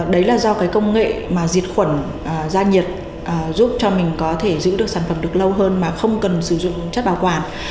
đấy là do cái công nghệ mà diệt khuẩn da nhiệt giúp cho mình có thể giữ được sản phẩm được lâu hơn mà không cần sử dụng chất bảo quản